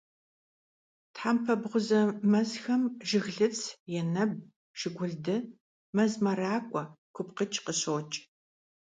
Тхьэмпэ бгъузэ мэзхэм жыглыц, енэб, шыгъулды, мэз мэракӀуэ, купкъыкӀ къыщокӀ.